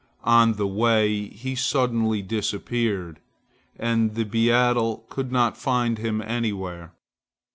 On the way, he suddenly disappeared, and the beadle could not find him anywhere.